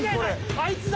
あいつだ！